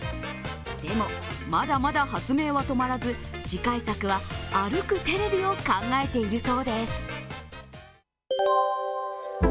でも、まだまだ発明は止まらず次回作は歩くテレビを考えているそうです。